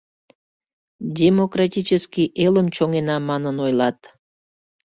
Демократический элым чоҥена, манын ойлат.